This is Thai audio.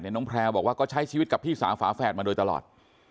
น้องแพลวบอกว่าก็ใช้ชีวิตกับพี่สาวฝาแฝดมาโดยตลอด